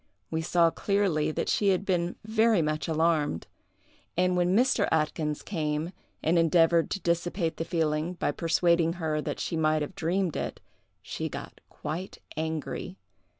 We saw clearly that she had been very much alarmed; and when Mr. Atkyns came, and endeavored to dissipate the feeling by persuading her that she might have dreamed it, she got quite angry.